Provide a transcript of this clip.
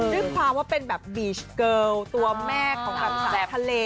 ด้วยความว่าเป็นแบบบีชเกิลตัวแม่ของแบบสาวทะเล